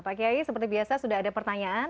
pak kiai seperti biasa sudah ada pertanyaan